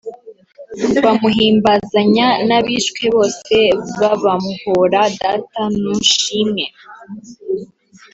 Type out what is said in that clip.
Bamuhimbazanya n’abishwe bose babamuhora Data nushimwe